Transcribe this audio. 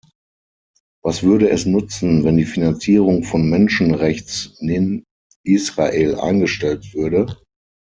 Was würde es nützen, wenn die Finanzierung von Menschenrechts-Nin Israel eingestellt würde?